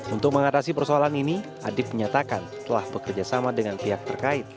untuk mengatasi persoalan ini adib menyatakan telah bekerjasama dengan pihak terkait